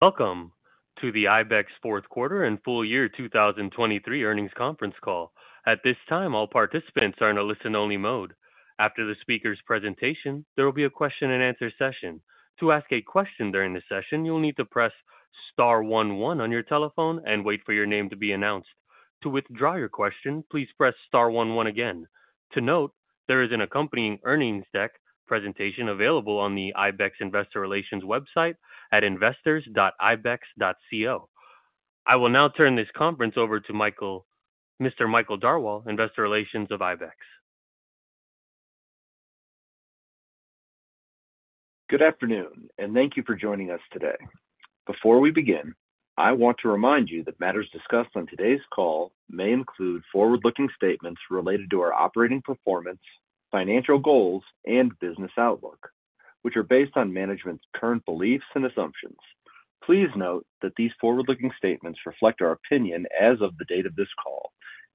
Welcome to the ibex fourth quarter and full year 2023 earnings conference call. At this time, all participants are in a listen-only mode. After the speaker's presentation, there will be a question-and-answer session. To ask a question during the session, you'll need to press star one one on your telephone and wait for your name to be announced. To withdraw your question, please press star one one again. To note, there is an accompanying earnings deck presentation available on the ibex Investor Relations website at investors.ibex.co. I will now turn this conference over to Michael. Mr. Michael Darwal, Investor Relations of ibex. Good afternoon, and thank you for joining us today. Before we begin, I want to remind you that matters discussed on today's call may include forward-looking statements related to our operating performance, financial goals, and business outlook, which are based on management's current beliefs and assumptions. Please note that these forward-looking statements reflect our opinion as of the date of this call,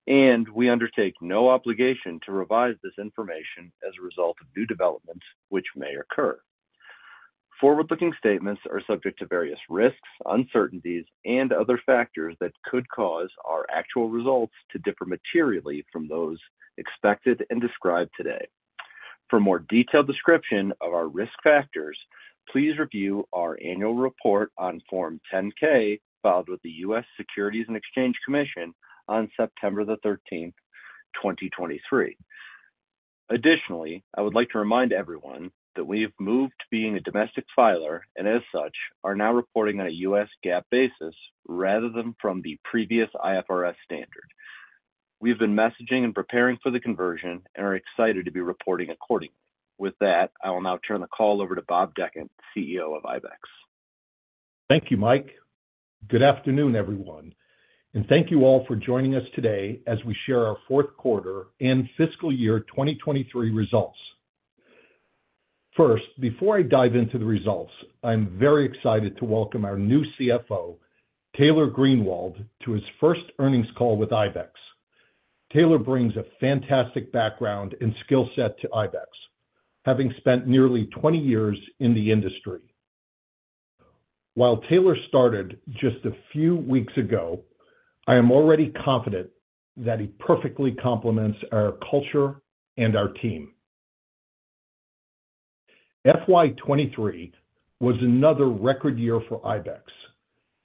and we undertake no obligation to revise this information as a result of new developments which may occur. Forward-looking statements are subject to various risks, uncertainties, and other factors that could cause our actual results to differ materially from those expected and described today. For more detailed description of our risk factors, please review our annual report on Form 10-K, filed with the U.S. Securities and Exchange Commission on September 13, 2023. Additionally, I would like to remind everyone that we have moved to being a domestic filer and as such, are now reporting on a US GAAP basis rather than from the previous IFRS standard. We've been messaging and preparing for the conversion and are excited to be reporting accordingly. With that, I will now turn the call over to Bob Dechant, CEO of ibex. Thank you, Mike. Good afternoon, everyone, and thank you all for joining us today as we share our fourth quarter and fiscal year 2023 results. First, before I dive into the results, I'm very excited to welcome our new CFO, Taylor Greenwald, to his first earnings call with ibex. Taylor brings a fantastic background and skill set to ibex, having spent nearly 20 years in the industry. While Taylor started just a few weeks ago, I am already confident that he perfectly complements our culture and our team. FY 2023 was another record year for ibex,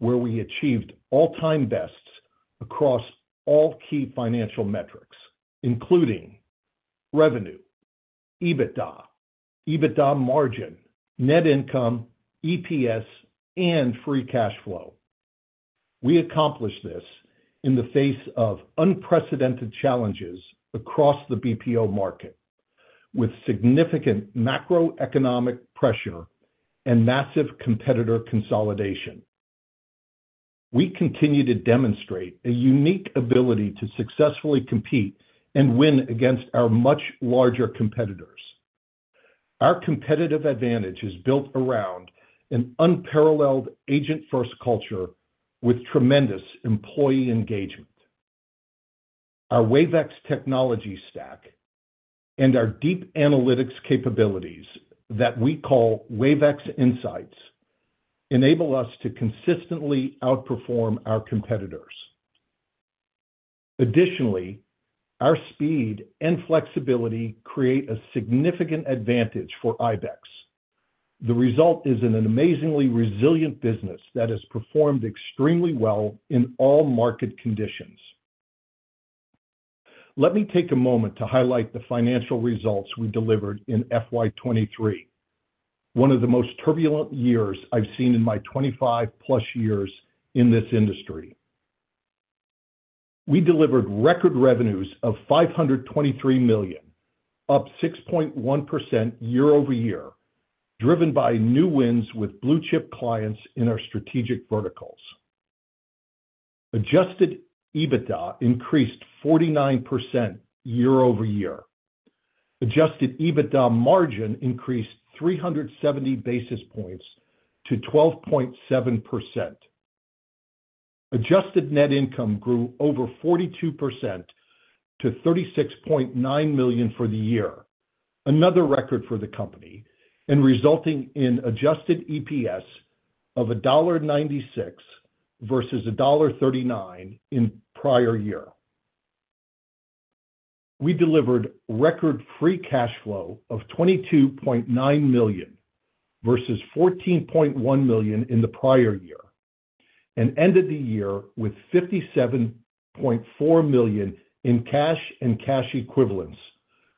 where we achieved all-time bests across all key financial metrics, including revenue, EBITDA, EBITDA margin, net income, EPS, and free cash flow. We accomplished this in the face of unprecedented challenges across the BPO market, with significant macroeconomic pressure and massive competitor consolidation. We continue to demonstrate a unique ability to successfully compete and win against our much larger competitors. Our competitive advantage is built around an unparalleled agent-first culture with tremendous employee engagement. Our Wave X Technology stack and our deep analytics capabilities that we call Wave X Insights enable us to consistently outperform our competitors. Additionally, our speed and flexibility create a significant advantage for ibex. The result is an amazingly resilient business that has performed extremely well in all market conditions. Let me take a moment to highlight the financial results we delivered in FY 2023, one of the most turbulent years I've seen in my 25+ years in this industry. We delivered record revenues of $523 million, up 6.1% year-over-year, driven by new wins with blue-chip clients in our strategic verticals. Adjusted EBITDA increased 49% year-over-year. Adjusted EBITDA margin increased 370 basis points to 12.7%. Adjusted net income grew over 42% to $36.9 million for the year, another record for the company, and resulting in adjusted EPS of $1.96 versus $1.39 in prior year. We delivered record free cash flow of $22.9 million versus $14.1 million in the prior year, and ended the year with $57.4 million in cash and cash equivalents,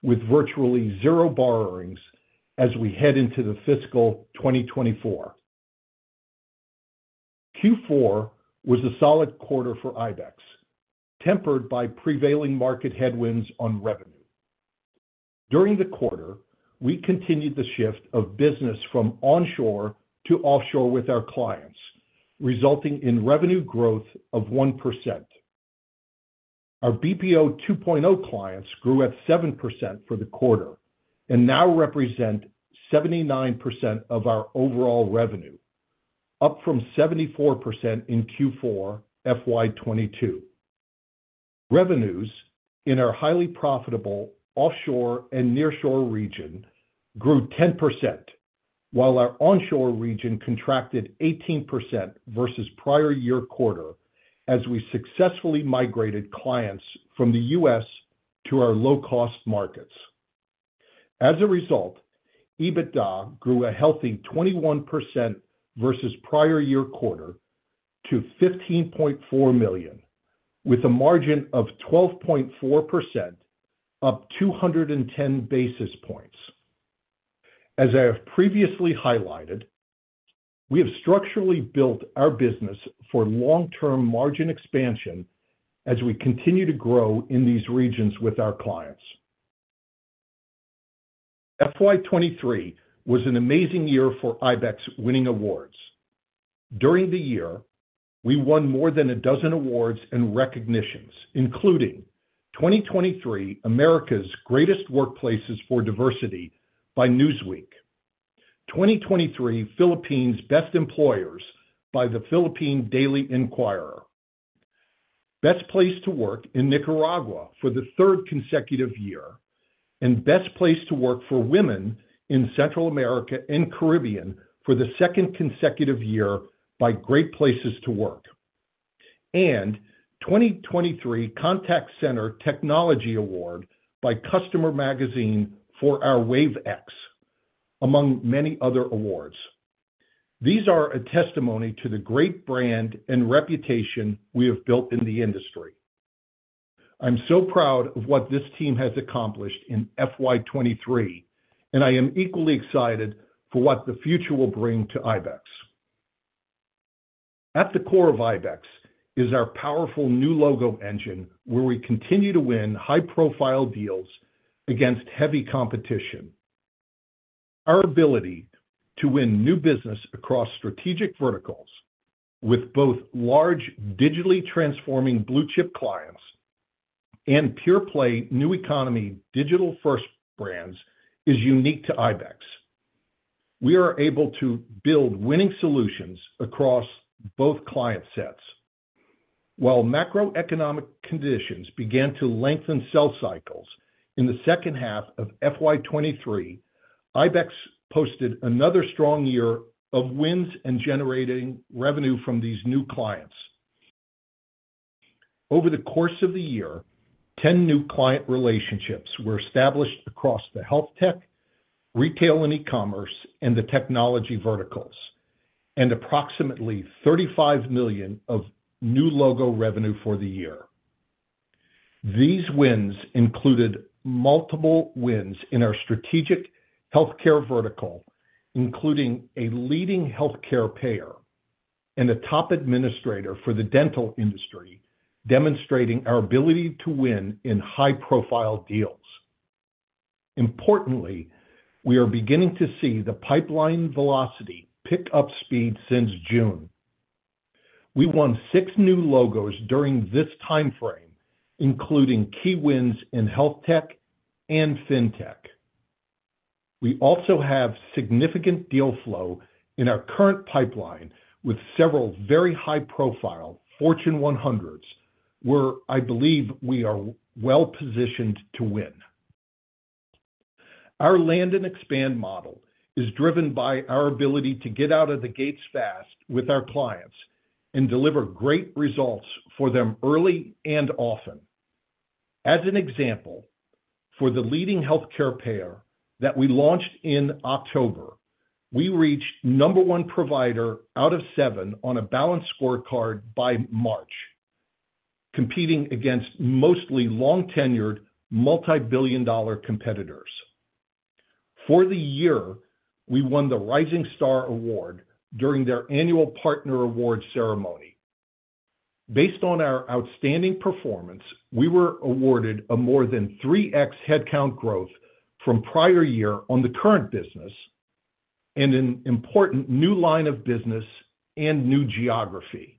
with virtually zero borrowings as we head into the fiscal 2024. Q4 was a solid quarter for ibex, tempered by prevailing market headwinds on revenue. During the quarter, we continued the shift of business from onshore to offshore with our clients, resulting in revenue growth of 1%. Our BPO 2.0 clients grew at 7% for the quarter and now represent 79% of our overall revenue, up from 74% in Q4 FY 2022. Revenues in our highly profitable offshore and nearshore region grew 10%, while our onshore region contracted 18% versus prior year quarter as we successfully migrated clients from the U.S. to our low-cost markets. As a result, EBITDA grew a healthy 21% versus prior year quarter to $15.4 million, with a margin of 12.4%, up 210 basis points. As I have previously highlighted, we have structurally built our business for long-term margin expansion as we continue to grow in these regions with our clients. FY 2023 was an amazing year for ibex winning awards. During the year, we won more than a dozen awards and recognitions, including 2023 America's Greatest Workplaces for Diversity by Newsweek, 2023 Philippines Best Employers by the Philippine Daily Inquirer, Best Place to Work in Nicaragua for the third consecutive year, and Best Place to Work for Women in Central America and Caribbean for the second consecutive year by Great Place to Work, and 2023 Contact Center Technology Award by Customer Magazine for our Wave X, among many other awards. These are a testimony to the great brand and reputation we have built in the industry. I'm so proud of what this team has accomplished in FY 2023, and I am equally excited for what the future will bring to ibex. At the core of ibex is our powerful new logo engine, where we continue to win high-profile deals against heavy competition. Our ability to win new business across strategic verticals with both large, digitally transforming blue-chip clients and pure-play, new economy, digital-first brands is unique to ibex. We are able to build winning solutions across both client sets. While macroeconomic conditions began to lengthen sales cycles in the second half of FY 2023, ibex posted another strong year of wins and generating revenue from these new clients. Over the course of the year, 10 new client relationships were established across the Healthtech, Retail and E-commerce, and the technology verticals, and approximately $35 million of new logo revenue for the year. These wins included multiple wins in our strategic healthcare vertical, including a leading healthcare payer and a top administrator for the dental industry, demonstrating our ability to win in high-profile deals. Importantly, we are beginning to see the pipeline velocity pick up speed since June. We won six new logos during this time frame, including key wins in Healthtech and Fintech. We also have significant deal flow in our current pipeline with several very high-profile Fortune 100s, where I believe we are well-positioned to win. Our Land and Expand model is driven by our ability to get out of the gates fast with our clients and deliver great results for them early and often. As an example, for the leading healthcare payer that we launched in October, we reached number one provider out of seven on a balanced scorecard by March, competing against mostly long-tenured, multi-billion-dollar competitors. For the year, we won the Rising Star Award during their annual partner awards ceremony. Based on our outstanding performance, we were awarded a more than 3x headcount growth from prior year on the current business and an important new line of business and new geography.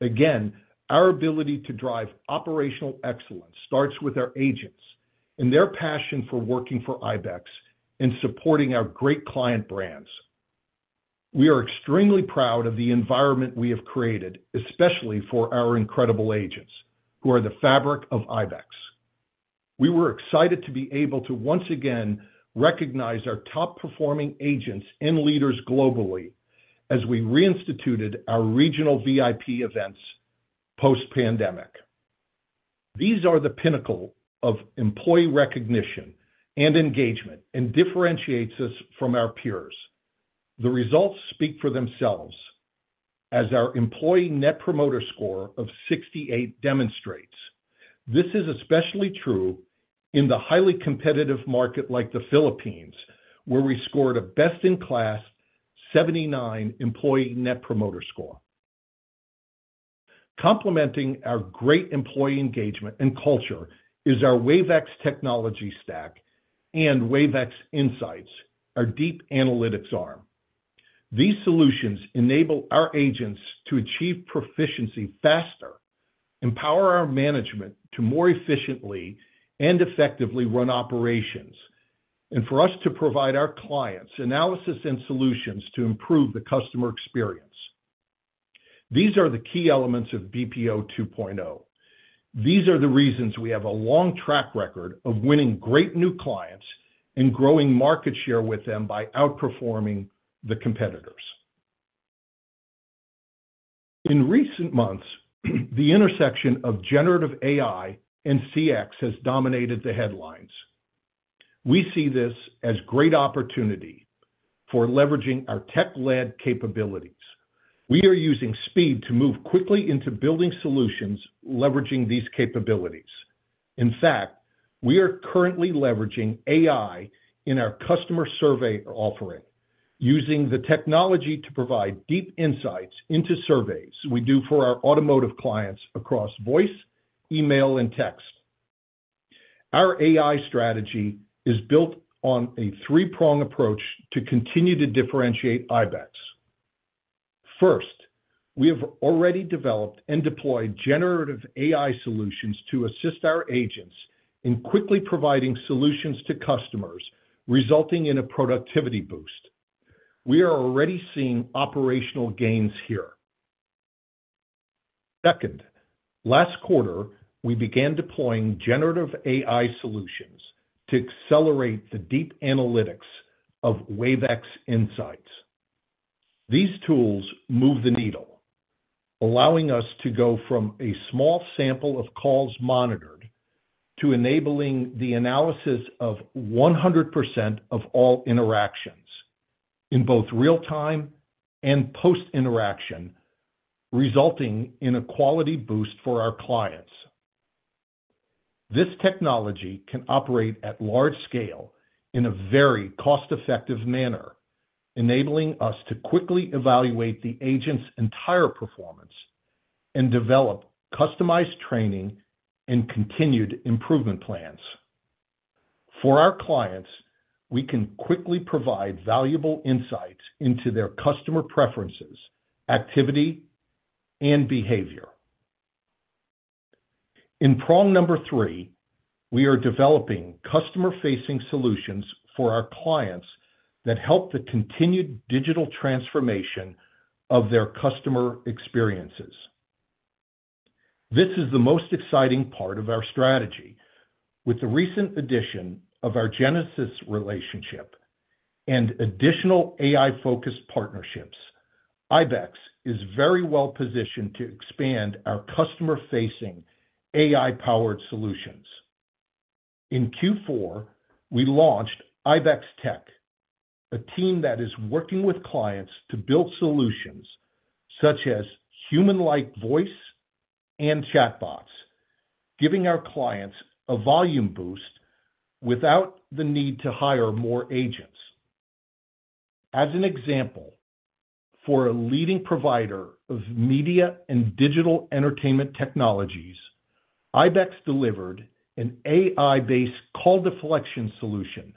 Again, our ability to drive operational excellence starts with our agents and their passion for working for ibex and supporting our great client brands. We are extremely proud of the environment we have created, especially for our incredible agents, who are the fabric of ibex. We were excited to be able to once again recognize our top-performing agents and leaders globally as we reinstituted our regional VIP events post-pandemic. These are the pinnacle of employee recognition and engagement and differentiates us from our peers. The results speak for themselves, as our employee Net Promoter Score of 68 demonstrates. This is especially true in the highly competitive market like the Philippines, where we scored a best-in-class 79 employee Net Promoter Score. Complementing our great employee engagement and culture is our Wave X technology stack and Wave X Insights, our deep analytics arm. These solutions enable our agents to achieve proficiency faster, empower our management to more efficiently and effectively run operations, and for us to provide our clients analysis and solutions to improve the customer experience. These are the key elements of BPO 2.0. These are the reasons we have a long track record of winning great new clients and growing market share with them by outperforming the competitors. In recent months, the intersection of generative AI and CX has dominated the headlines. We see this as great opportunity for leveraging our tech-led capabilities. We are using speed to move quickly into building solutions, leveraging these capabilities. In fact, we are currently leveraging AI in our customer survey offering, using the technology to provide deep insights into surveys we do for our automotive clients across voice, email, and text. Our AI strategy is built on a three-prong approach to continue to differentiate ibex. First, we have already developed and deployed generative AI solutions to assist our agents in quickly providing solutions to customers, resulting in a productivity boost. We are already seeing operational gains here. Second, last quarter, we began deploying generative AI solutions to accelerate the deep analytics of Wave X Insights. These tools move the needle, allowing us to go from a small sample of calls monitored, to enabling the analysis of 100% of all interactions in both real time and post-interaction, resulting in a quality boost for our clients. This technology can operate at large scale in a very cost-effective manner, enabling us to quickly evaluate the agent's entire performance and develop customized training and continued improvement plans. For our clients, we can quickly provide valuable insights into their customer preferences, activity, and behavior. In prong number three, we are developing customer-facing solutions for our clients that help the continued digital transformation of their customer experiences. This is the most exciting part of our strategy. With the recent addition of our Genesys relationship and additional AI-focused partnerships, ibex is very well positioned to expand our customer-facing AI-powered solutions. In Q4, we launched ibex Tech, a team that is working with clients to build solutions such as human-like voice and chatbots, giving our clients a volume boost without the need to hire more agents. As an example, for a leading provider of media and digital entertainment technologies, ibex delivered an AI-based call deflection solution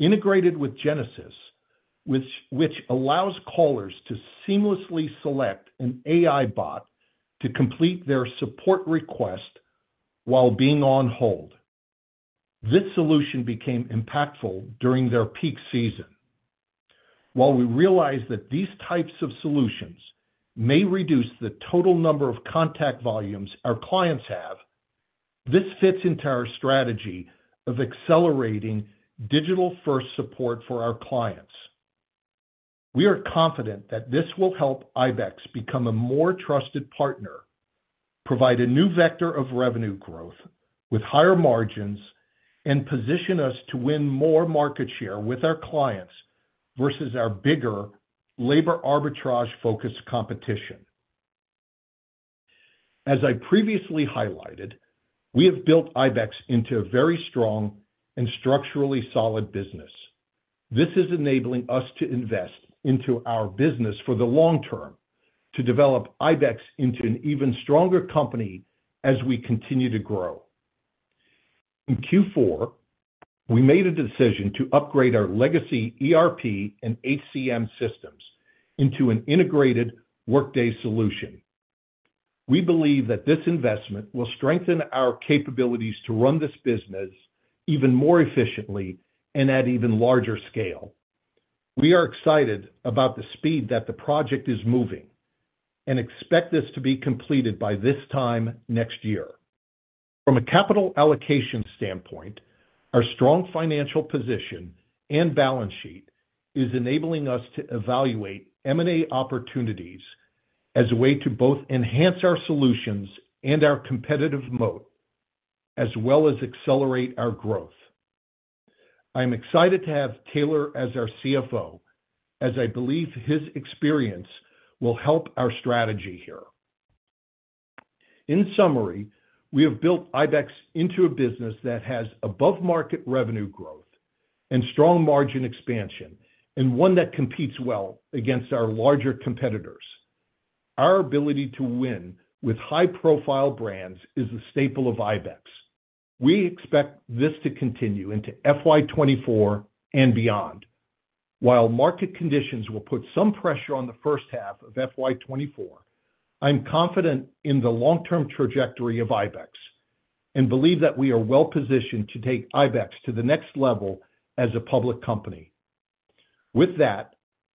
integrated with Genesys, which allows callers to seamlessly select an AI bot to complete their support request while being on hold. This solution became impactful during their peak season. While we realize that these types of solutions may reduce the total number of contact volumes our clients have, this fits into our strategy of accelerating digital-first support for our clients. We are confident that this will help ibex become a more trusted partner, provide a new vector of revenue growth with higher margins, and position us to win more market share with our clients versus our bigger labor arbitrage-focused competition. As I previously highlighted, we have built ibex into a very strong and structurally solid business. This is enabling us to invest into our business for the long term, to develop ibex into an even stronger company as we continue to grow. In Q4, we made a decision to upgrade our legacy ERP and HCM systems into an integrated Workday solution. We believe that this investment will strengthen our capabilities to run this business even more efficiently and at even larger scale. We are excited about the speed that the project is moving and expect this to be completed by this time next year. From a capital allocation standpoint, our strong financial position and balance sheet is enabling us to evaluate M&A opportunities as a way to both enhance our solutions and our competitive moat, as well as accelerate our growth. I'm excited to have Taylor as our CFO, as I believe his experience will help our strategy here. In summary, we have built ibex into a business that has above-market revenue growth and strong margin expansion, and one that competes well against our larger competitors. Our ability to win with high-profile brands is a staple of ibex. We expect this to continue into FY 2024 and beyond. While market conditions will put some pressure on the first half of FY 2024, I'm confident in the long-term trajectory of ibex and believe that we are well-positioned to take ibex to the next level as a public company. With that,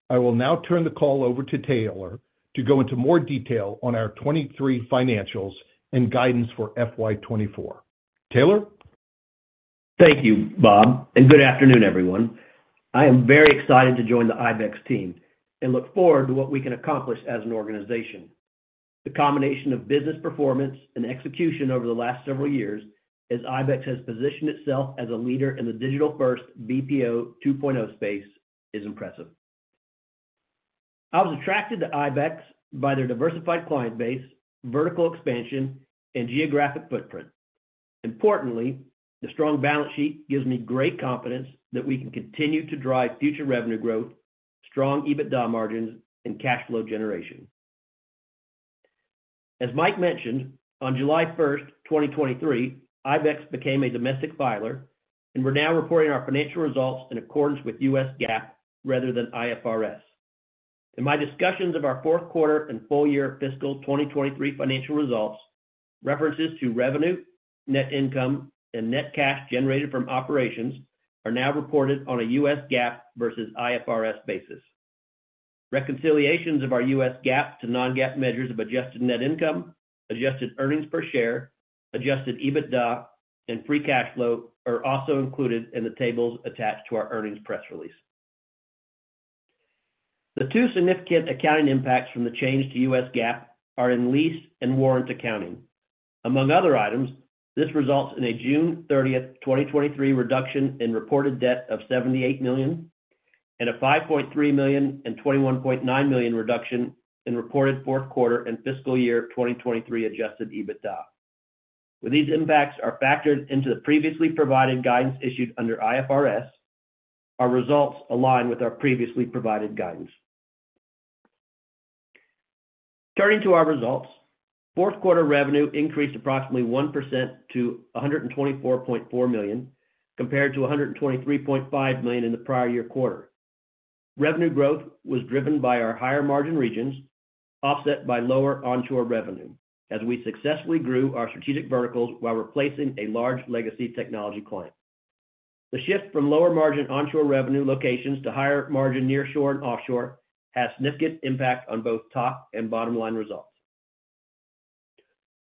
I will now turn the call over to Taylor to go into more detail on our 2023 financials and guidance for FY 2024. Taylor? Thank you, Bob, and good afternoon, everyone. I am very excited to join the ibex team and look forward to what we can accomplish as an organization. The combination of business performance and execution over the last several years, as ibex has positioned itself as a leader in the digital-first BPO 2.0 space, is impressive. I was attracted to ibex by their diversified client base, vertical expansion, and geographic footprint. Importantly, the strong balance sheet gives me great confidence that we can continue to drive future revenue growth, strong EBITDA margins, and cash flow generation. As Mike mentioned, on July 1, 2023, ibex became a domestic filer, and we're now reporting our financial results in accordance with US GAAP, rather than IFRS. In my discussions of our fourth quarter and full year fiscal 2023 financial results, references to revenue, net income, and net cash generated from operations are now reported on a US GAAP versus IFRS basis. Reconciliations of our US GAAP to non-GAAP measures of adjusted Net Income, adjusted earnings per share, adjusted EBITDA, and free cash flow are also included in the tables attached to our earnings press release. The two significant accounting impacts from the change to US GAAP are in lease and warrant accounting. Among other items, this results in a June 30, 2023, reduction in reported debt of $78 million and a $5.3 million and $21.9 million reduction in reported fourth quarter and fiscal year 2023 adjusted EBITDA. When these impacts are factored into the previously provided guidance issued under IFRS, our results align with our previously provided guidance. Turning to our results, fourth quarter revenue increased approximately 1% to $124.4 million, compared to $123.5 million in the prior year quarter. Revenue growth was driven by our higher-margin regions, offset by lower onshore revenue, as we successfully grew our strategic verticals while replacing a large legacy technology client. The shift from lower-margin onshore revenue locations to higher-margin nearshore and offshore had significant impact on both top- and bottom-line results.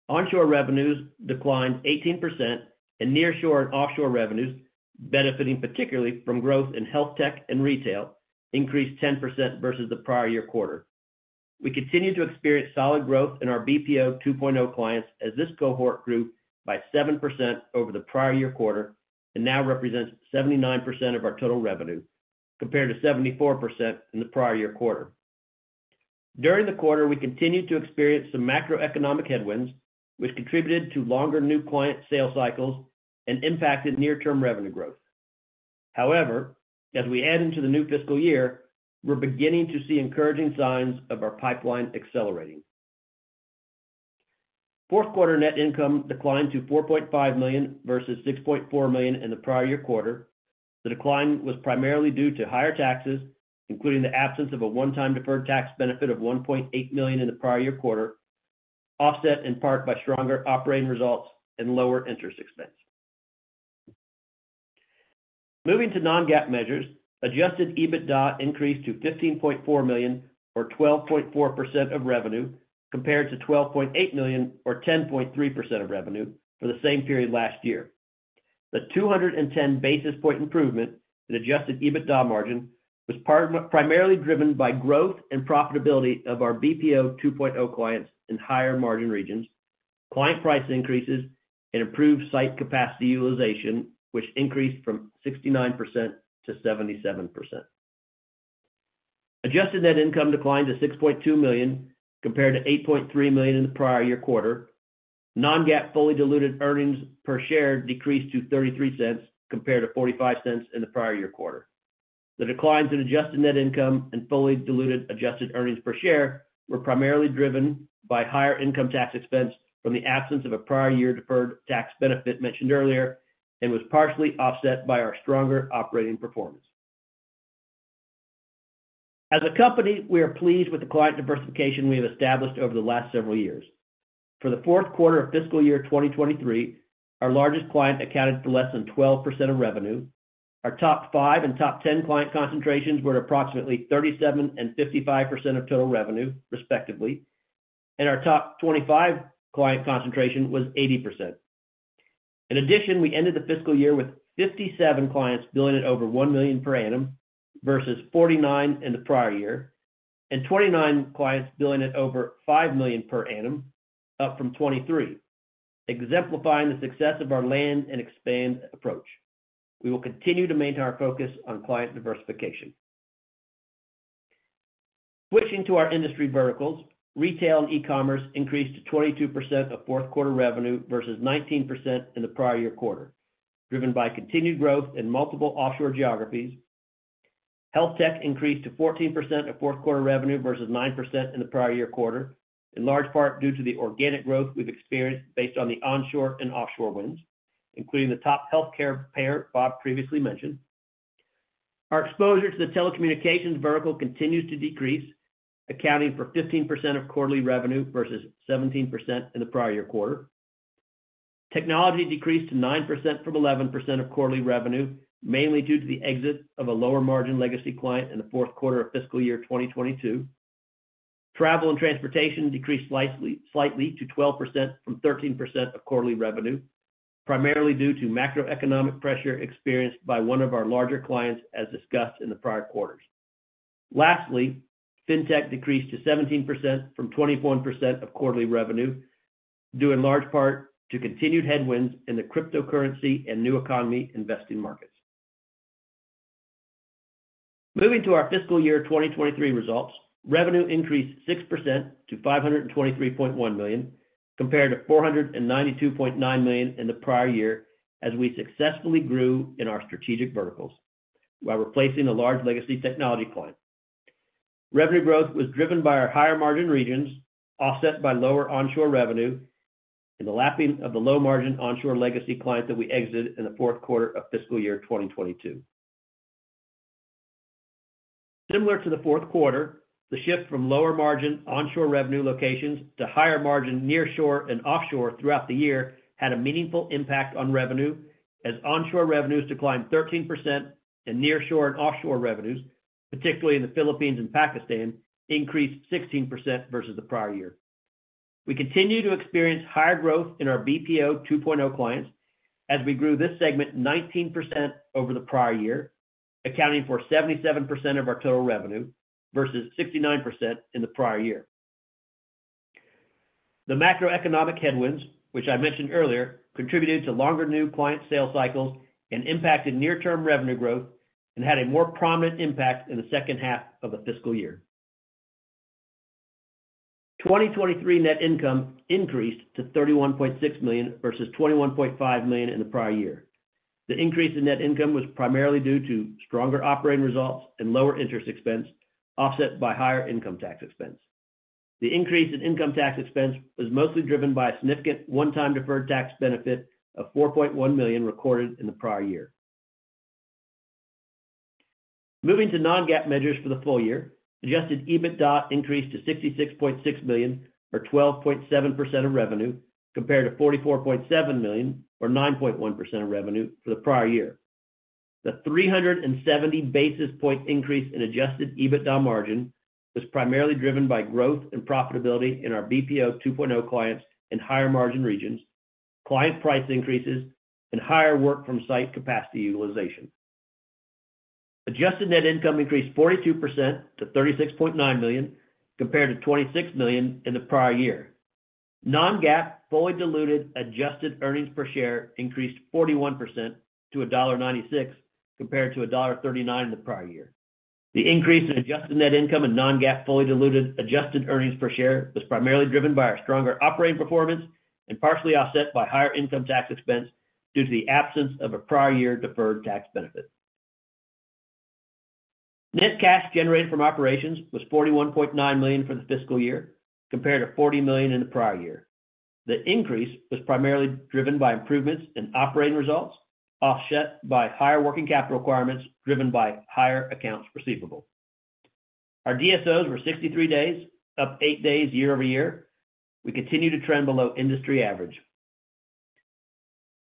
Onshore revenues declined 18%, and nearshore and offshore revenues, benefiting particularly from growth in Healthtech and retail, increased 10% versus the prior year quarter. We continued to experience solid growth in our BPO 2.0 clients, as this cohort grew by 7% over the prior year quarter and now represents 79% of our total revenue, compared to 74% in the prior year quarter. During the quarter, we continued to experience some macroeconomic headwinds, which contributed to longer new client sales cycles and impacted near-term revenue growth. However, as we head into the new fiscal year, we're beginning to see encouraging signs of our pipeline accelerating. Fourth quarter net income declined to $4.5 million, versus $6.4 million in the prior year quarter. The decline was primarily due to higher taxes, including the absence of a one-time deferred tax benefit of $1.8 million in the prior year quarter, offset in part by stronger operating results and lower interest expense. Moving to non-GAAP measures, adjusted EBITDA increased to $15.4 million, or 12.4% of revenue, compared to $12.8 million, or 10.3% of revenue for the same period last year. The 210 basis point improvement in adjusted EBITDA margin was primarily driven by growth and profitability of our BPO 2.0 clients in higher-margin regions, client price increases, and improved site capacity utilization, which increased from 69%-77%. Adjusted net income declined to $6.2 million, compared to $8.3 million in the prior year quarter. Non-GAAP fully diluted earnings per share decreased to $0.33, compared to $0.45 in the prior year quarter. The declines in adjusted Net Income and fully diluted adjusted Earnings Per Share were primarily driven by higher income tax expense from the absence of a prior year deferred tax benefit mentioned earlier, and was partially offset by our stronger operating performance. As a company, we are pleased with the client diversification we have established over the last several years. For the fourth quarter of fiscal year 2023, our largest client accounted for less than 12% of revenue. Our top five and top ten client concentrations were at approximately 37% and 55% of total revenue, respectively, and our top 25 client concentration was 80%. In addition, we ended the fiscal year with 57 clients billing at over $1 million per annum, versus 49 in the prior year, and 29 clients billing at over $5 million per annum, up from 23, exemplifying the success of our Land and Expand approach. We will continue to maintain our focus on client diversification. Switching to our industry verticals, Retail and E-commerce increased to 22% of fourth quarter revenue, versus 19% in the prior year quarter, driven by continued growth in multiple offshore geographies. Healthtech increased to 14% of fourth quarter revenue, versus 9% in the prior year quarter, in large part due to the organic growth we've experienced based on the onshore and offshore wins, including the top healthcare payer Bob previously mentioned. Our exposure to the Telecommunications vertical continues to decrease, accounting for 15% of quarterly revenue versus 17% in the prior year quarter. Technology decreased to 9% from 11% of quarterly revenue, mainly due to the exit of a lower-margin legacy client in the fourth quarter of fiscal year 2022. Travel and Transportation decreased slightly to 12% from 13% of quarterly revenue, primarily due to macroeconomic pressure experienced by one of our larger clients, as discussed in the prior quarters. Lastly, Fintech decreased to 17% from 21% of quarterly revenue, due in large part to continued headwinds in the cryptocurrency and new economy investing markets. Moving to our fiscal year 2023 results, revenue increased 6% to $523.1 million, compared to $492.9 million in the prior year, as we successfully grew in our strategic verticals while replacing a large legacy technology client. Revenue growth was driven by our higher-margin regions, offset by lower onshore revenue and the lapping of the low-margin onshore legacy client that we exited in the fourth quarter of fiscal year 2022. Similar to the fourth quarter, the shift from lower-margin onshore revenue locations to higher margin nearshore and offshore throughout the year had a meaningful impact on revenue, as onshore revenues declined 13% and nearshore and offshore revenues, particularly in the Philippines and Pakistan, increased 16% versus the prior year. We continue to experience higher growth in our BPO 2.0 clients as we grew this segment 19% over the prior year, accounting for 77% of our total revenue versus 69% in the prior year. The macroeconomic headwinds, which I mentioned earlier, contributed to longer new client sales cycles and impacted near-term revenue growth and had a more prominent impact in the second half of the fiscal year. 2023 net income increased to $31.6 million versus $21.5 million in the prior year. The increase in net income was primarily due to stronger operating results and lower interest expense, offset by higher income tax expense. The increase in income tax expense was mostly driven by a significant one-time deferred tax benefit of $4.1 million recorded in the prior year. Moving to non-GAAP measures for the full year, adjusted EBITDA increased to $66.6 million, or 12.7% of revenue, compared to $44.7 million, or 9.1% of revenue, for the prior year. The 370 basis point increase in adjusted EBITDA margin was primarily driven by growth and profitability in our BPO 2.0 clients in higher-margin regions, client price increases, and higher work from site capacity utilization. Adjusted net income increased 42% to $36.9 million, compared to $26 million in the prior year. Non-GAAP, fully diluted, adjusted earnings per share increased 41% to $1.96, compared to $1.39 in the prior year. The increase in adjusted net income and non-GAAP, fully diluted, adjusted earnings per share, was primarily driven by our stronger operating performance and partially offset by higher income tax expense due to the absence of a prior year deferred tax benefit. Net cash generated from operations was $41.9 million for the fiscal year, compared to $40 million in the prior year. The increase was primarily driven by improvements in operating results, offset by higher working capital requirements, driven by higher accounts receivable. Our DSOs were 63 days, up 8 days year-over-year. We continue to trend below industry average.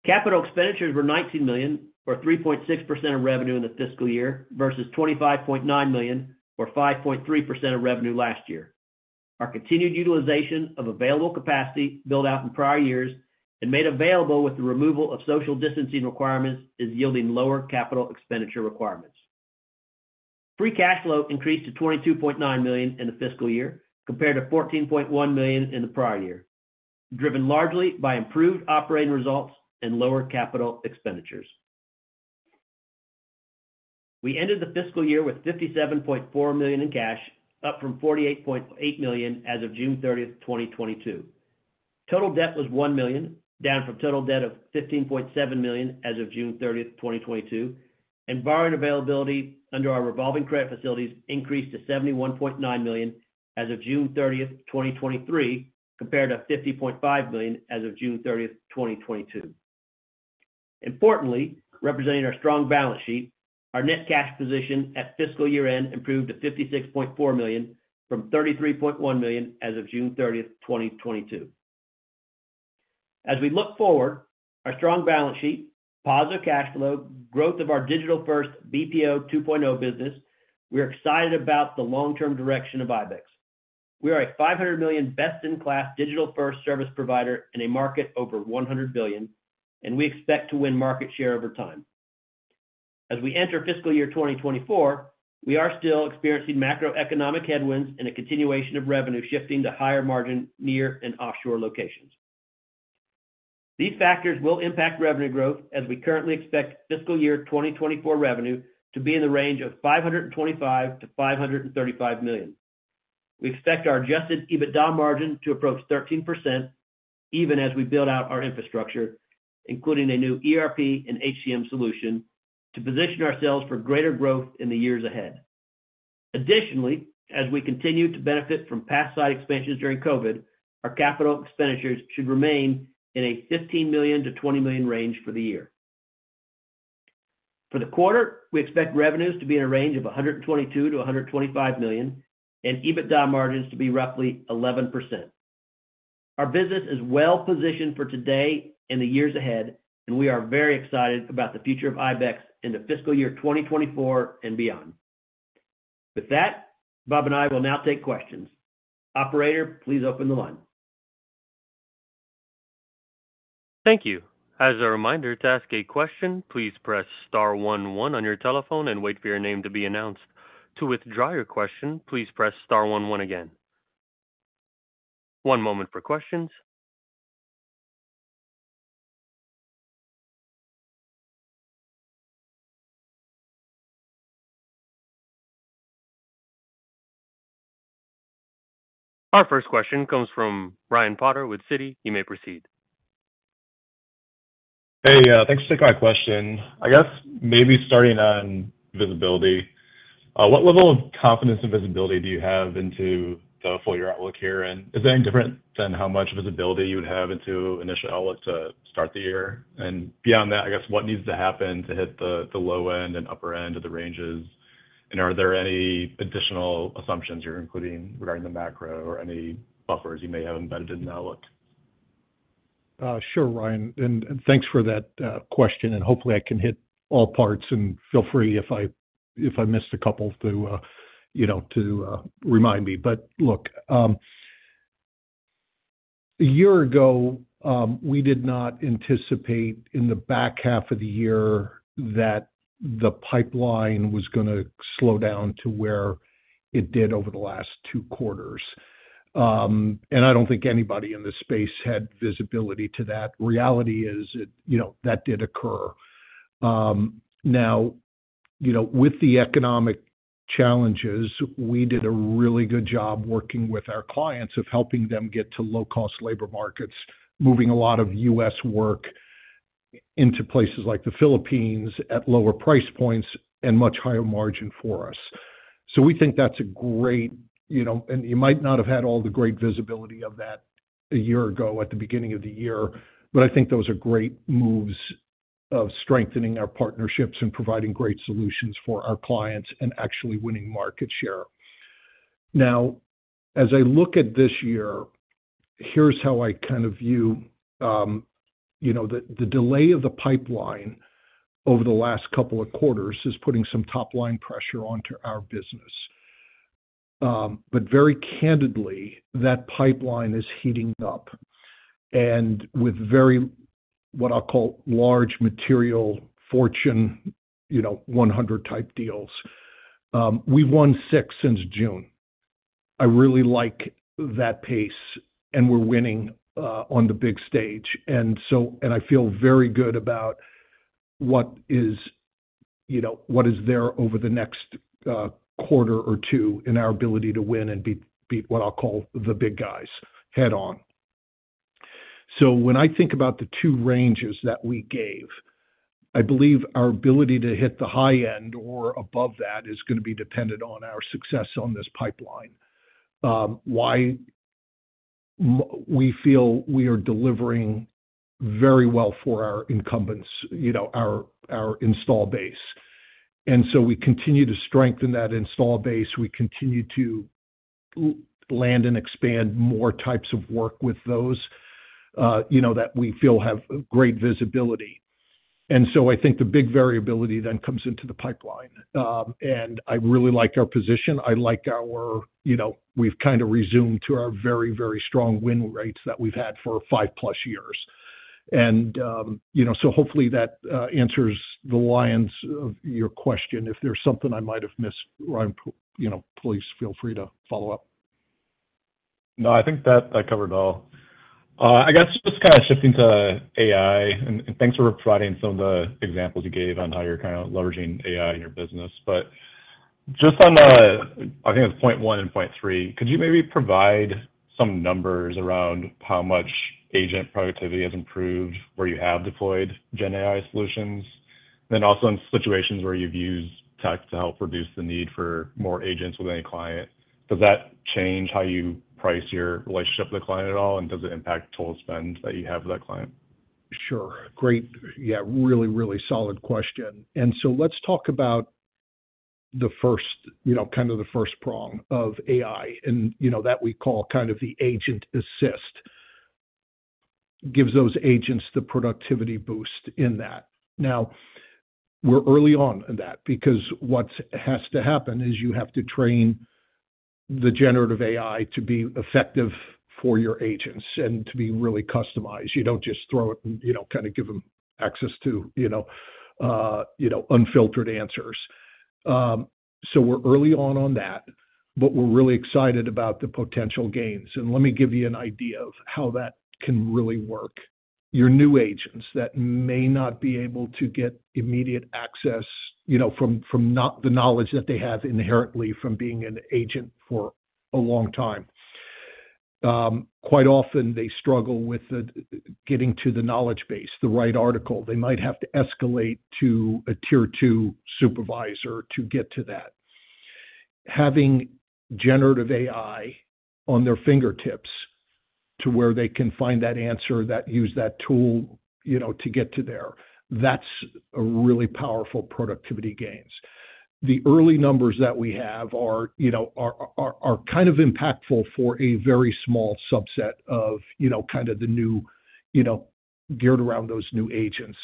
Capital expenditures were $19 million, or 3.6% of revenue in the fiscal year, versus $25.9 million, or 5.3% of revenue last year. Our continued utilization of available capacity built out in prior years and made available with the removal of social distancing requirements, is yielding lower capital expenditure requirements. Free cash flow increased to $22.9 million in the fiscal year, compared to $14.1 million in the prior year, driven largely by improved operating results and lower capital expenditures. We ended the fiscal year with $57.4 million in cash, up from $48.8 million as of June 30, 2022. Total debt was $1 million, down from total debt of $15.7 million as of June 30, 2022, and borrowing availability under our revolving credit facilities increased to $71.9 million as of June 30, 2023, compared to $50.5 million as of June 30, 2022. Importantly, representing our strong balance sheet, our net cash position at fiscal year-end improved to $56.4 million from $33.1 million as of June 30, 2022. As we look forward, our strong balance sheet, positive cash flow, growth of our digital-first BPO 2.0 business, we are excited about the long-term direction of ibex. We are a $500 million best-in-class digital-first service provider in a market over $100 billion, and we expect to win market share over time. As we enter fiscal year 2024, we are still experiencing macroeconomic headwinds and a continuation of revenue shifting to higher margin near- and offshore locations. These factors will impact revenue growth as we currently expect fiscal year 2024 revenue to be in the range of $525 million-$535 million. We expect our adjusted EBITDA margin to approach 13%, even as we build out our infrastructure, including a new ERP and HCM solution, to position ourselves for greater growth in the years ahead. Additionally, as we continue to benefit from past site expansions during COVID, our capital expenditures should remain in a $15 million-$20 million range for the year. For the quarter, we expect revenues to be in a range of $122 million-$125 million, and EBITDA margins to be roughly 11%. Our business is well positioned for today and the years ahead, and we are very excited about the future of ibex in the fiscal year 2024 and beyond. With that, Bob and I will now take questions. Operator, please open the line. Thank you. As a reminder, to ask a question, please press star one, one on your telephone and wait for your name to be announced. To withdraw your question, please press star one, one again. One moment for questions. Our first question comes from Ryan Potter with Citi. You may proceed. Hey, thanks for taking my question. I guess maybe starting on visibility, what level of confidence and visibility do you have into the full year outlook here? And is that different than how much visibility you would have into initial outlook to start the year? And beyond that, I guess, what needs to happen to hit the low end and upper end of the ranges? And are there any additional assumptions you're including regarding the macro or any buffers you may have embedded in the outlook? Sure, Ryan, and thanks for that question, and hopefully I can hit all parts, and feel free if I missed a couple to, you know, remind me. But look, a year ago, we did not anticipate in the back half of the year that the pipeline was gonna slow down to where it did over the last 2 quarters. And I don't think anybody in this space had visibility to that. Reality is, it, you know, that did occur. Now, you know, with the economic challenges, we did a really good job working with our clients of helping them get to low-cost labor markets, moving a lot of US work into places like the Philippines at lower price points and much higher margin for us. So we think that's a great, you know and you might not have had all the great visibility of that a year ago at the beginning of the year, but I think those are great moves of strengthening our partnerships and providing great solutions for our clients and actually winning market share. Now, as I look at this year, here's how I kind of view, you know, the delay of the pipeline over the last couple of quarters is putting some top-line pressure onto our business. But very candidly, that pipeline is heating up and with very, what I'll call large material fortune, you know, 100 type deals. We've won six since June. I really like that pace, and we're winning on the big stage. And so, I feel very good about what is, you know, what is there over the next quarter or two in our ability to win and beat what I'll call the big guys head on. So when I think about the two ranges that we gave, I believe our ability to hit the high end or above that is gonna be dependent on our success on this pipeline. We feel we are delivering very well for our incumbents, you know, our install base. And so we continue to strengthen that install base. We continue to land and expand more types of work with those, you know, that we feel have great visibility. And so I think the big variability then comes into the pipeline. And I really like our position. I like our, you know, we've kind of resumed to our very, very strong win rates that we've had for 5+ years. You know, so hopefully that answers the lion's share of your question. If there's something I might have missed, Ryan, you know, please feel free to follow up. No, I think that, that covered it all. I guess just kinda shifting to AI, and, and thanks for providing some of the examples you gave on how you're kind of leveraging AI in your business. But just on the, I think it's point one and point three, could you maybe provide some numbers around how much agent productivity has improved, where you have deployed GenAI solutions? Then also in situations where you've used tech to help reduce the need for more agents with any client, does that change how you price your relationship with the client at all, and does it impact total spend that you have with that client? Sure. Great. Yeah, really, really solid question. And so let's talk about the first, you know, kind of the first prong of AI, and you know, that we call kind of the agent assist, gives those agents the productivity boost in that. Now, we're early on in that, because what has to happen is you have to train the generative AI to be effective for your agents and to be really customized. You don't just throw it and, you know, kind of give them access to, you know, unfiltered answers. So we're early on in that, but we're really excited about the potential gains. And let me give you an idea of how that can really work. Your new agents that may not be able to get immediate access, you know, from not the knowledge that they have inherently from being an agent for a long time. Quite often they struggle with getting to the knowledge base, the right article. They might have to escalate to a tier two supervisor to get to that. Having Generative AI on their fingertips to where they can find that answer, that use that tool, you know, to get to there, that's a really powerful productivity gains. The early numbers that we have are, you know, kind of impactful for a very small subset of, you know, kind of the new, you know, geared around those new agents.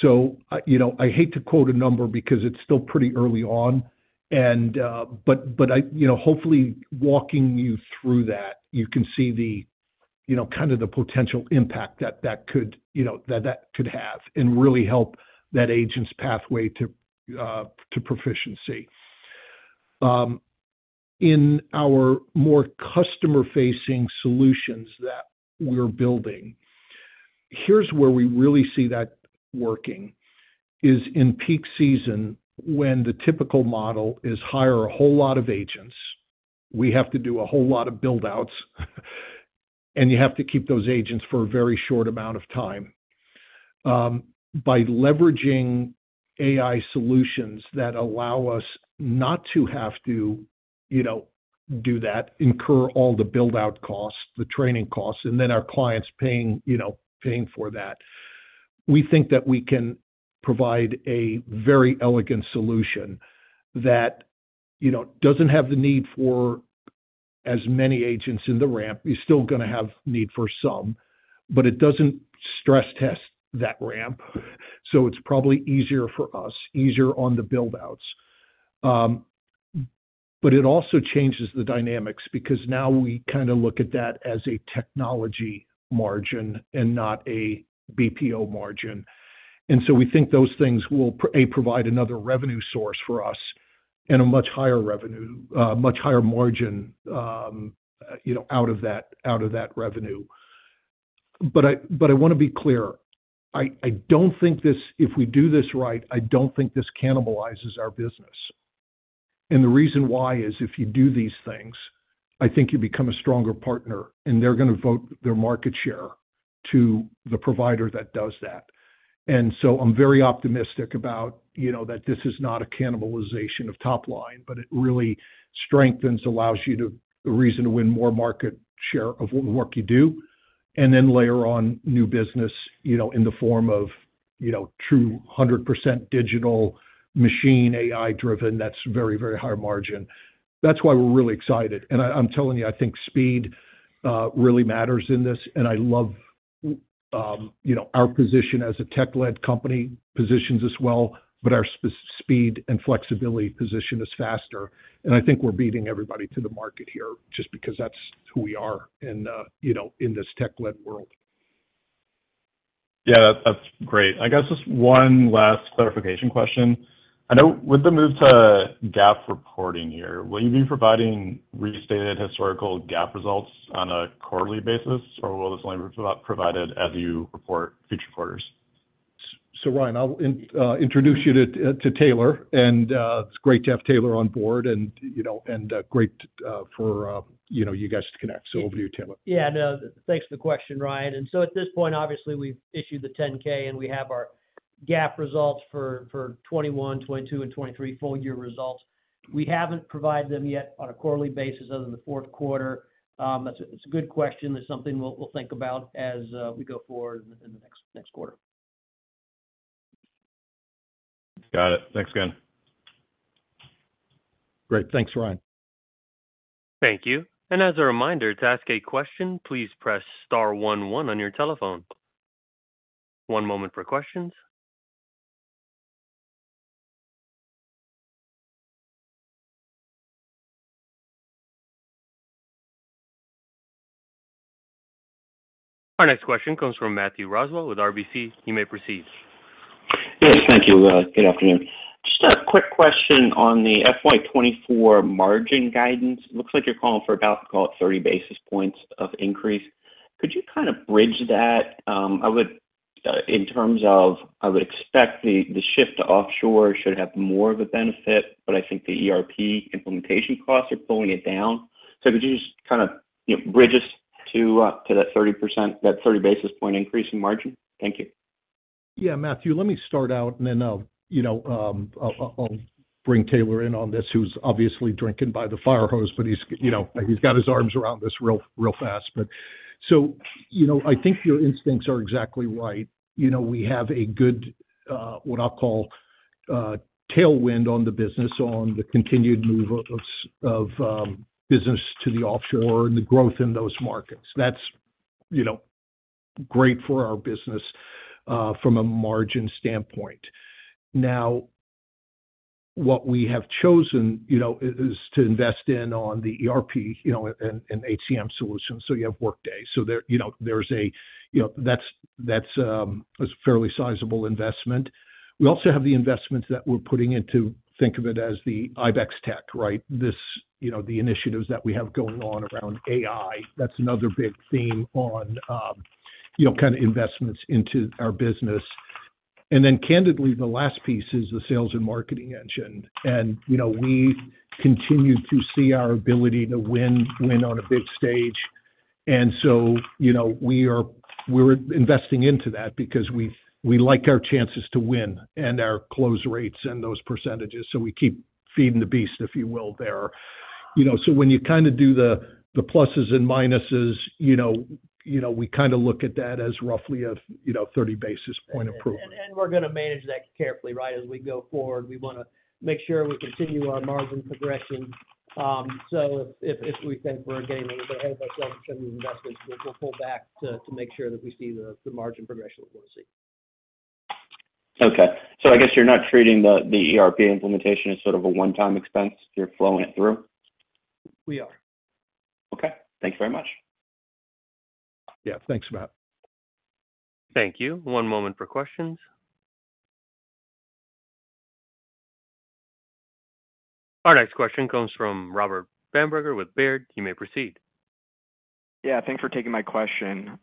So, you know, I hate to quote a number because it's still pretty early on, and but I you know, hopefully walking you through that, you can see the, you know, kind of the potential impact that could, you know, have and really help that agent's pathway to proficiency. In our more customer-facing solutions that we're building, here's where we really see that working, is in peak season, when the typical model is hire a whole lot of agents, we have to do a whole lot of build outs, and you have to keep those agents for a very short amount of time. By leveraging AI solutions that allow us not to have to, you know, do that, incur all the build-out costs, the training costs, and then our clients paying, you know, paying for that. We think that we can provide a very elegant solution that, you know, doesn't have the need for as many agents in the ramp. You're still gonna have need for some, but it doesn't stress test that ramp. So it's probably easier for us, easier on the build outs. But it also changes the dynamics because now we kind of look at that as a technology margin and not a BPO margin. And so we think those things will provide another revenue source for us and a much higher revenue, much higher margin, you know, out of that, out of that revenue. But I wanna be clear. I don't think this, if we do this right, I don't think this cannibalizes our business. And the reason why is if you do these things, I think you become a stronger partner, and they're gonna vote their market share to the provider that does that. And so I'm very optimistic about, you know, that this is not a cannibalization of top line, but it really strengthens, allows you to a reason to win more market share of what work you do, and then layer on new business, you know, in the form of, you know, true 100% digital machine, AI driven. That's very, very high margin. That's why we're really excited. And I, I'm telling you, I think speed really matters in this, and I love, you know, our position as a tech-led company positions us well, but our speed and flexibility position is faster. And I think we're beating everybody to the market here just because that's who we are in, you know, in this tech-led world. Yeah, that's great. I guess just one last clarification question. I know with the move to GAAP reporting here, will you be providing restated historical GAAP results on a quarterly basis, or will this only be provided as you report future quarters? So Ryan, I'll introduce you to Taylor, and it's great to have Taylor on board and, you know, great for you guys to connect. So over to you, Taylor. Yeah, no, thanks for the question, Ryan. And so at this point, obviously, we've issued the 10-K, and we have our GAAP results for 2021, 2022 and 2023 full year results. We haven't provided them yet on a quarterly basis other than the fourth quarter. That's a good question. That's something we'll think about as we go forward in the next quarter. Got it. Thanks again. Great. Thanks, Ryan. Thank you. As a reminder, to ask a question, please press star one one on your telephone. One moment for questions. Our next question comes from Matthew Roswell with RBC. You may proceed. Yes, thank you. Good afternoon. Just a quick question on the FY 2024 margin guidance. Looks like you're calling for about, call it, 30 basis points of increase. Could you kind of bridge that? I would, in terms of, I would expect the, the shift to offshore should have more of a benefit, but I think the ERP implementation costs are pulling it down. So could you just kind of, you know, bridge us to, to that 30%, that 30 basis point increase in margin? Thank you. Yeah, Matthew, let me start out and then I'll, you know, I'll bring Taylor in on this, who's obviously drinking by the fire hose, but he's, you know, he's got his arms around this real, real fast. So, you know, I think your instincts are exactly right. You know, we have a good, what I'll call, tailwind on the business, on the continued move of business to the offshore and the growth in those markets. That's, you know, great for our business, from a margin standpoint. Now, what we have chosen, you know, is to invest in on the ERP, you know, and HCM solutions, so you have Workday. So there, you know, there's a, you know, that's a fairly sizable investment. We also have the investments that we're putting into, think of it as the ibex tech, right? This, you know, the initiatives that we have going on around AI, that's another big theme on, you know, kind of investments into our business. And then candidly, the last piece is the sales and marketing engine. And, you know, we continue to see our ability to win, win on a big stage. And so, you know, we're investing into that because we like our chances to win and our close rates and those percentages, so we keep feeding the beast, if you will, there. You know, so when you kinda do the pluses and minuses, you know, we kinda look at that as roughly a 30 basis point improvement. We're gonna manage that carefully, right? As we go forward, we wanna make sure we continue our margin progression. So if we think we're getting a little bit ahead of ourselves in terms of investments, we'll pull back to make sure that we see the margin progression we wanna see. Okay. So I guess you're not treating the ERP implementation as sort of a one-time expense? You're flowing it through. We are. Okay. Thank you very much. Yeah. Thanks, Matt. Thank you. One moment for questions. Our next question comes from Robert Bamberger with Baird. You may proceed. Yeah, thanks for taking my question.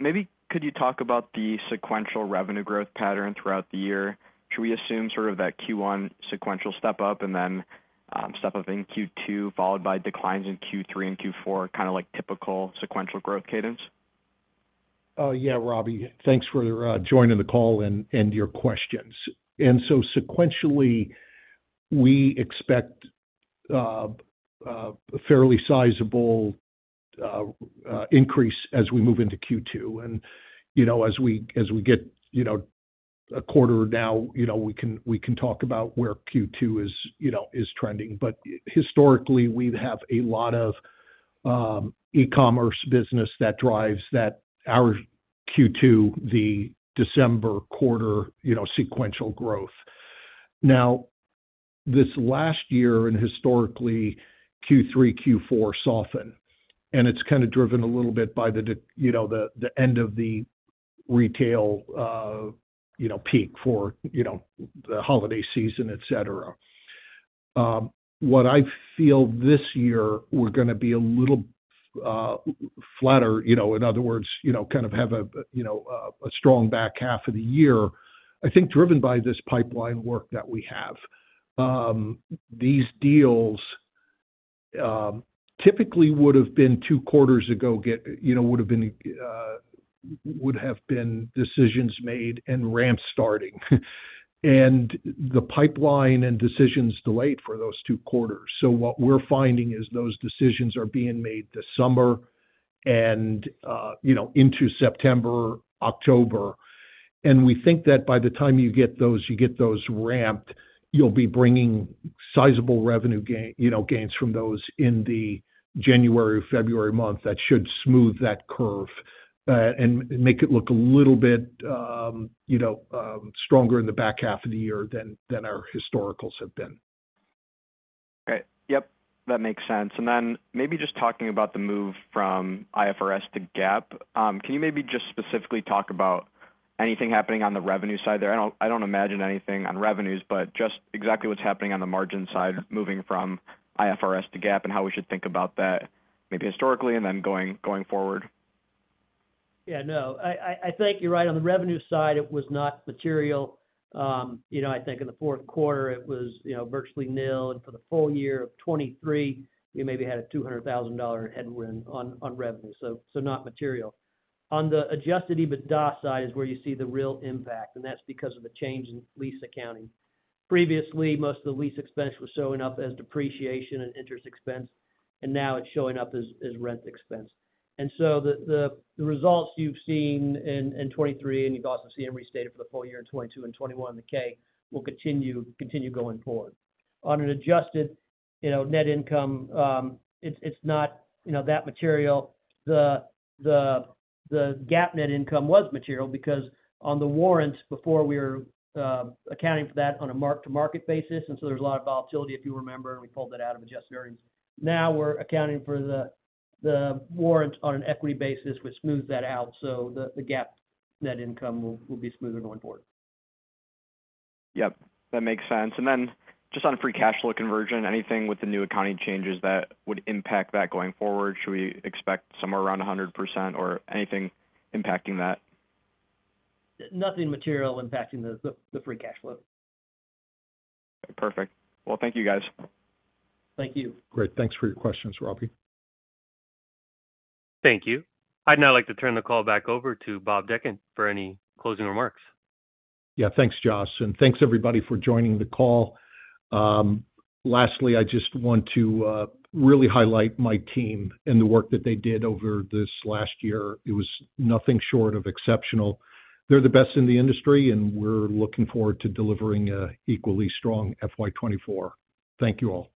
Maybe could you talk about the sequential revenue growth pattern throughout the year? Should we assume sort of that Q1 sequential step up and then, step up in Q2, followed by declines in Q3 and Q4, kinda like typical sequential growth cadence? Yeah, Robbie, thanks for joining the call and your questions. So sequentially, we expect fairly sizable increase as we move into Q2. And, you know, as we get, you know, a quarter now, you know, we can talk about where Q2 is, you know, is trending. But historically, we've have a lot of e-commerce business that drives that our Q2, the December quarter, you know, sequential growth. Now, this last year and historically, Q3, Q4 soften, and it's kinda driven a little bit by the, you know, the end of the retail, you know, peak for, you know, the holiday season, et cetera. What I feel this year, we're gonna be a little flatter, you know, in other words, you know, kind of have a strong back half of the year, I think, driven by this pipeline work that we have. These deals typically would have been two quarters ago. You know, would have been decisions made and ramp starting. And the pipeline and decisions delayed for those two quarters. So what we're finding is those decisions are being made this summer and, you know, into September, October. And we think that by the time you get those, you get those ramped, you'll be bringing sizable revenue gain, you know, gains from those in the January, February month. That should smooth that curve, and make it look a little bit, you know, stronger in the back half of the year than our historical have been. Okay. Yep, that makes sense. And then maybe just talking about the move from IFRS to GAAP, can you maybe just specifically talk about anything happening on the revenue side there? I don't imagine anything on revenues, but just exactly what's happening on the margin side, moving from IFRS to GAAP, and how we should think about that, maybe historically and then going forward. Yeah, no, I think you're right. On the revenue side, it was not material. You know, I think in the fourth quarter, it was, you know, virtually nil. And for the full year of 2023, we maybe had a $200,000 headwind on revenue, so not material. On the adjusted EBITDA side is where you see the real impact, and that's because of a change in lease accounting. Previously, most of the lease expense was showing up as depreciation and interest expense, and now it's showing up as rent expense. And so the results you've seen in 2023, and you've also seen them restated for the full year in 2022 and 2021, the K will continue going forward. On an adjusted, you know, net income, it's not, you know, that material. The GAAP net income was material because on the warrants before, we were accounting for that on a mark-to-market basis, and so there's a lot of volatility, if you remember, and we pulled that out of adjusted earnings. Now, we're accounting for the warrants on an equity basis, which smooths that out, so the GAAP net income will be smoother going forward. Yep, that makes sense. Then just on free cash flow conversion, anything with the new accounting changes that would impact that going forward? Should we expect somewhere around 100% or anything impacting that? Nothing material impacting the free cash flow. Perfect. Well, thank you, guys. Thank you. Great. Thanks for your questions, Robbie. Thank you. I'd now like to turn the call back over to Bob Dechant for any closing remarks. Yeah, thanks, Josh, and thanks everybody for joining the call. Lastly, I just want to really highlight my team and the work that they did over this last year. It was nothing short of exceptional. They're the best in the industry, and we're looking forward to delivering a equally strong FY 2024. Thank you all.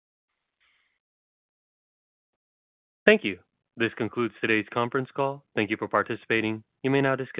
Thank you. This concludes today's conference call. Thank you for participating. You may now disconnect.